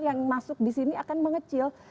yang masuk disini akan mengecil